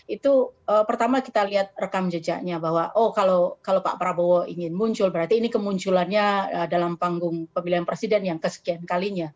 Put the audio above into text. itu pertama kita lihat rekam jejaknya bahwa oh kalau pak prabowo ingin muncul berarti ini kemunculannya dalam panggung pemilihan presiden yang kesekian kalinya